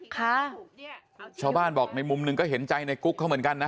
ค่ะชาวบ้านบอกในมุมหนึ่งก็เห็นใจในกุ๊กเขาเหมือนกันนะ